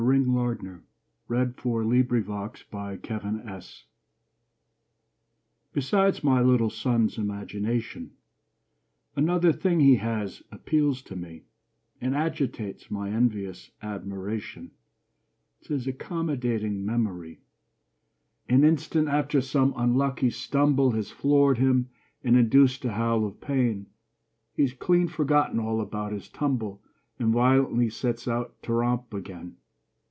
HIS MEMORY Besides my little son's imagination, Another thing he has appeals to me And agitates my envious admiration It's his accommodating memory. An instant after some unlucky stumble Has floored him and induced a howl of pain, He's clean forgotten all about his tumble And violently sets out to romp again.